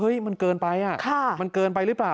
มันเกินไปอ่ะมันเกินไปหรือเปล่า